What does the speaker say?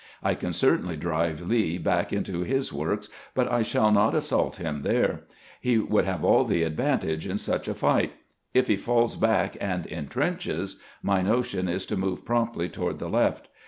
I can certainly drive Lee back into his works, but I shall not assault him there ; he would have all the advantage in such a fight. If he falls back and intrenches, my notion is to move promptly toward the left.